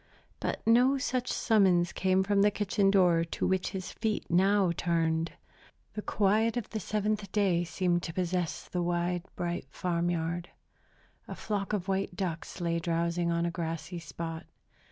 But no such summons came from the kitchen door to which his feet now turned. The quiet of the Seventh Day seemed to possess the wide, bright farm yard. A flock of white ducks lay drowsing on a grassy spot.